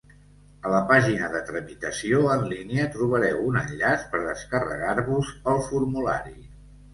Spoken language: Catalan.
A la pàgina de tramitació en línia trobareu un enllaç per descarregar-vos el formulari.